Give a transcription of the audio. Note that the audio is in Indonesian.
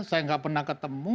saya nggak pernah ketemu